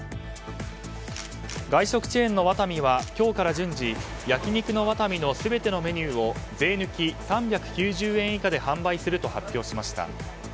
外食チェーンの和民は今日から順次焼肉の和民の全てのメニューを税抜き３９０円以下で販売すると発表しました。